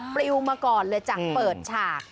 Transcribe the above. ปลิวมาก่อนเลยจากเปิดฉาก